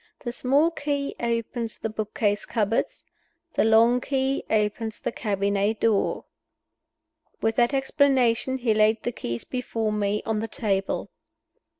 The small key opens the book case cupboards; the long key opens the cabinet door." With that explanation, he laid the keys before me on the table.